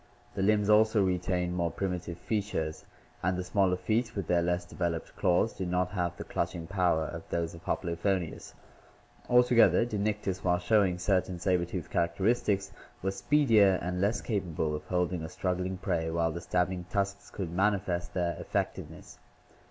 The limbs also retain more primitive features, and the smaller feet, with their less developed claws, did not have the clutching power of those of Hoplophoneus. Altogether Dinictis, while snowing certain saber tooth characteristics, was speedier and less capable of holding a struggling prey while the stabbing tusks could manifest their effectiveness.